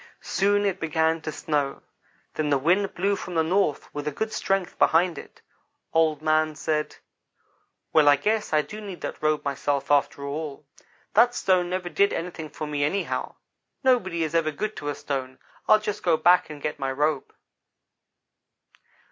Soon it began to snow then the wind blew from the north with a good strength behind it. Old man said: "'Well, I guess I do need that robe myself, after all. That stone never did anything for me anyhow. Nobody is ever good to a stone. I'll just go back and get my robe.'